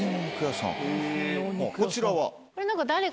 こちらは？